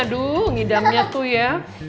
aduh ngidamnya tuh ya